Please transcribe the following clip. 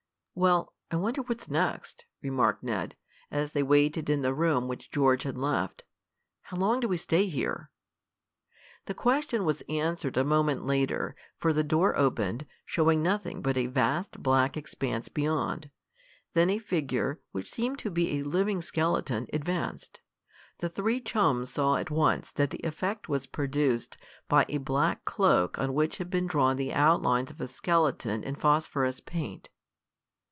"Well, I wonder what's next," remarked Ned, as they waited in the room which George had left. "How long do we stay here?" The question was answered a moment later, for the door opened, showing nothing but a vast black expanse beyond. Then a figure, which seemed to be a living skeleton, advanced. The three chums saw at once that the effect was produced by a black cloak on which had been drawn the outlines of a skeleton in phosphorous paint.